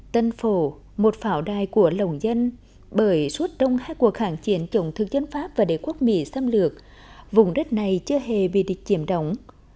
tân phổ một phảo đài của lồng dân bởi suốt đông hai cuộc kháng chiến chống thức dân pháp và đế quốc mỹ xâm lược vùng đất này chưa hề bị địch chiểm đóng